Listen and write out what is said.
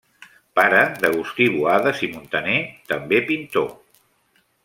Pare d'Agustí Buades i Muntaner, també pintor.